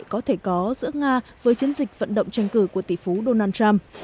có thể có giữa nga với chiến dịch vận động tranh cử của tỷ phú donald trump